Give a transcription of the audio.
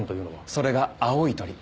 それが「青い鳥」。